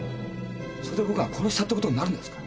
それで僕が殺したってことになるんですか？